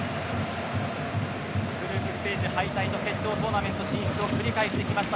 グループステージ敗退の決勝トーナメント進出を繰り返してきました。